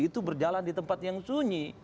itu berjalan di tempat yang sunyi